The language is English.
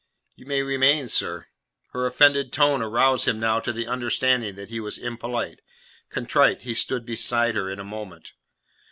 "You may remain, sir." Her offended tone aroused him now to the understanding that he was impolite. Contrite he stood beside her in a moment.